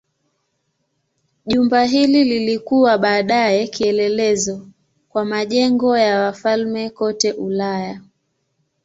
Jumba hili lilikuwa baadaye kielelezo kwa majengo ya wafalme kote Ulaya.